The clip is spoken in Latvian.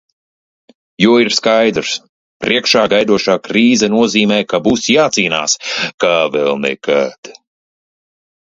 Jo ir skaidrs – priekšā gaidošā krīze nozīmē, ka būs jācīnās. Kā vēl nekad.